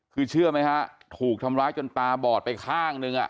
คือเชื่อไหมฮะถูกทำร้ายจนตาบอดไปข้างหนึ่ง